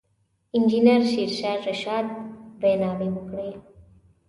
انجنیر شېرشاه رشاد ویناوې وکړې.